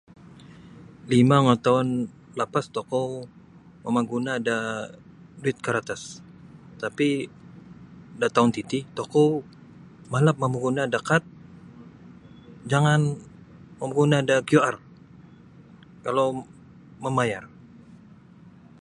Lima ngatoun lapas tokou mamaguna da duit karatas tapi da taun titi tokou malap mamaguna da kad jangan mamaguna da QR kalau mamayar.